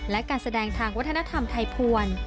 และการแสดงทางวัฒนธรรมไทยภวร